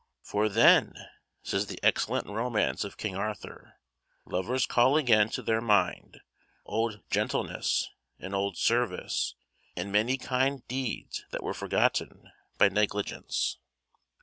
"For thenne," says the excellent romance of King Arthur, "lovers call ageyne to their mynde old gentilnes and old servyse, and many kind dedes that were forgotten by neglygence."